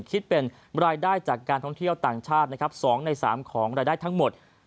คิดเป็นรายได้จากการท่องเที่ยวต่างชาตินะครับ๒ใน๓ของรายได้ทั้งหมด